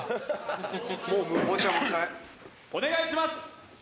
お願いします